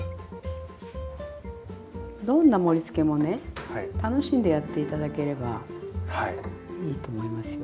どんな盛りつけもね楽しんでやって頂ければいいと思いますよ。